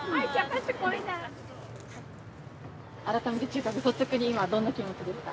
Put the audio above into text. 改めてチューカくん率直に今どんな気持ちですか？